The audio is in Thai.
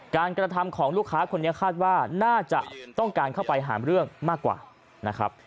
กระทำของลูกค้าคนนี้คาดว่าน่าจะต้องการเข้าไปหามเรื่องมากกว่านะครับ